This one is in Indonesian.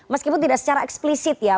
meskipun tidak secara eksplisit ya